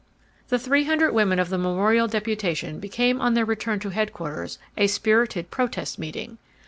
The three hundred women of the memorial deputation became on their return to headquarters a spirited protest meeting.